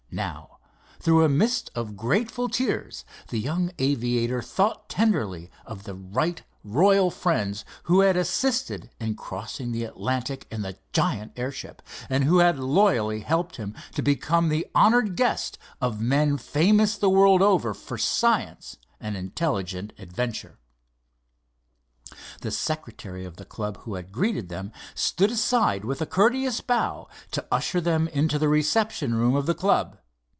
Now through a mist of grateful tears the young aviator thought tenderly of the right royal friends who had assisted in crossing the Atlantic in the giant airship and who had loyally helped him to become the honored guest of men famous the world over for science and intelligent adventure. The secretary of the club who had greeted them stood aside with a courteous bow to usher them into the reception room of the club.